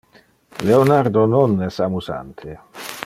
Leonardo non es amusante.